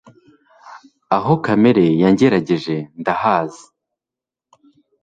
Aho kamere yangerageje ndahazi